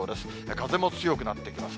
風も強くなってきます。